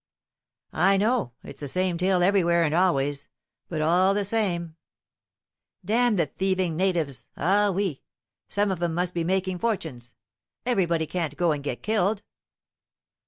"I know; it's the same tale everywhere and always, but all the same " "Damn the thieving natives, ah, oui! Some of 'em must be making fortunes. Everybody can't go and get killed."